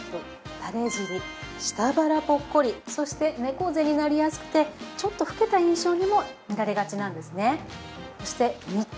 たれ尻下腹ポッコリそして猫背になりやすくてちょっと老けた印象にも見られがちなんですね。